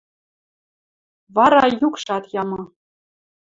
Вара юкшат ямы.